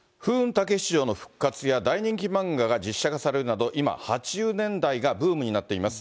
たけし城の復活や大人気漫画が実写化されるなど、今、８０年代がブームになっています。